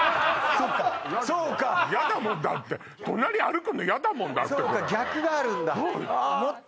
嫌だもんだって隣歩くの嫌だもんだってそうか逆があるんだこっち？